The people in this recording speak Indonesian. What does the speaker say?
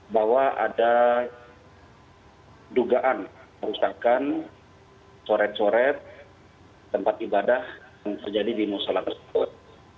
bahwa ada dugaan merusakan coret coret tempat ibadah yang terjadi di musola tersebut